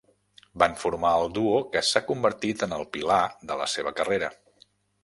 Van formar el duo que s'ha convertit en el pilar de la seva carrera.